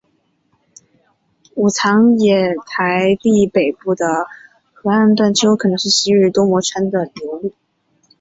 武藏野台地北部的河岸段丘可能是昔日多摩川的流路。